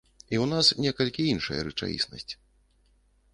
І ў нас некалькі іншая рэчаіснасць.